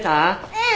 うん！